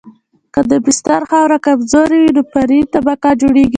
که د بستر خاوره کمزورې وي نو فرعي طبقه جوړیږي